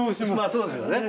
そうですよね。